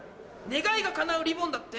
願いがかなうリボンだって。